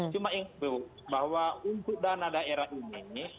cuma ingin tahu bahwa untuk dana daerah ini